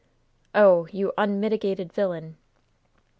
"Oh! you unmitigated villain!"